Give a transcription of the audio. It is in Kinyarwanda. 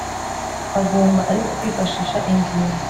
. Bagomba ariko kwifashisha ingingo